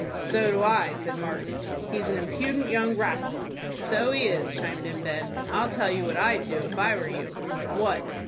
"So do I," said Martin. "He's an impudent young rascal." "So he is," chimed in Ben. "I'll tell you what I'd do, if I were you." "What?"